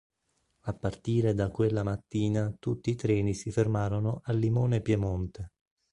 A partire da quella mattina tutti i treni si fermarono a Limone Piemonte.